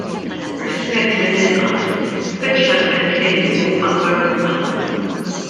Rispett mill-inqas, speċjalment lejn min hu ikbar minnha.